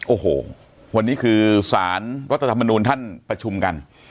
โอ้โหวันนี้คือสารรัฐธรรมนูลท่านประชุมกัน